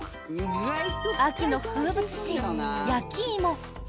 秋の風物詩、焼き芋。